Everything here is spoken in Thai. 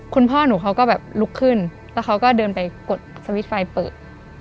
คุณพ่อหนูเขาก็แบบลุกขึ้นแล้วเขาก็เดินไปกดสวิตช์ไฟเปิด